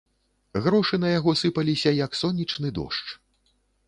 Грошы на яго сыпаліся, як сонечны дождж.